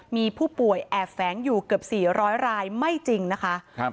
มีผู้ป่วยแอบแฟ้งอยู่เกือบสี่ร้อยรายไม่จริงนะคะครับ